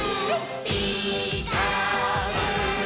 「ピーカーブ！」